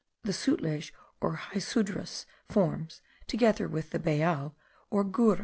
The Sutlej or Hysudrus forms, together with the Beyah or Gurra.